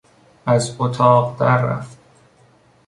از اتاق در رفت.